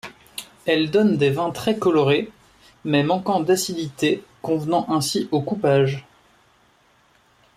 Elle donne des vins très colorés, mais manquant d'acidité convenant ainsi au coupage.